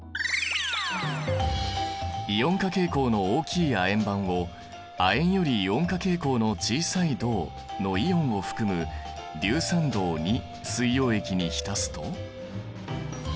イオン化傾向の大きい亜鉛板を亜鉛よりイオン化傾向の小さい銅のイオンを含む硫酸銅水溶液に浸すと。